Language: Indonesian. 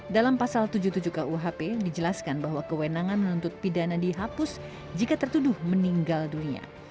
dalam pasal tujuh puluh tujuh kuhp dijelaskan bahwa kewenangan menuntut pidana dihapus jika tertuduh meninggal dunia